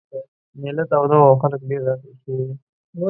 مېله توده وه او خلک ډېر راټول شوي وو.